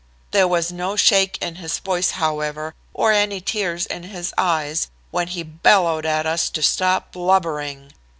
There was no shake in his voice, however, or any tears in his eyes when he bellowed at us to stop blubbering.